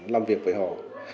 làm việc với họ